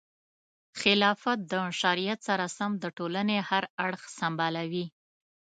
خلافت د شریعت سره سم د ټولنې هر اړخ سمبالوي.